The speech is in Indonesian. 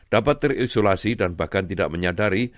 dapat terisolasi dan bahkan tidak menyadari